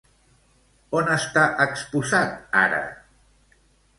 On està exposat ara?